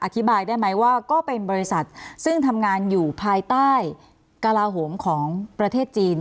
อธิบายได้ไหมว่าก็เป็นบริษัทซึ่งทำงานอยู่ภายใต้กระลาโหมของประเทศจีน